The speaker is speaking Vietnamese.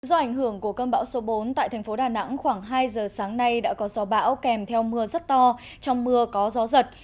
do ảnh hưởng của cơn bão số bốn tại thành phố đà nẵng khoảng hai giờ sáng nay đã có gió bão kèm theo mưa rất to trong mưa có gió giật